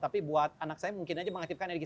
tapi buat anak saya mungkin aja mengakhirkan energi